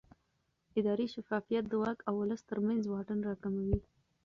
اداري شفافیت د واک او ولس ترمنځ واټن راکموي